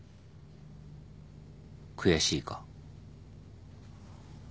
悔しいか。